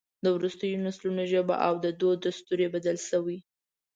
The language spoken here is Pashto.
د وروستیو نسلونو ژبه او دود دستور یې بدل شوی.